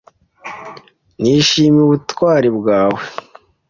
Nishimiye ubutwari bwawe.